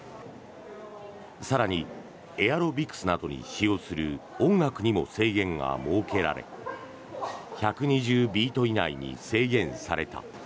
更に、エアロビクスなどに使用する音楽にも制限が設けられ１２０ビート以内に制限された。